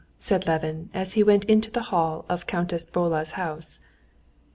said Levin, as he went into the hall of Countess Bola's house.